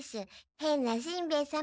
へんなしんべヱ様。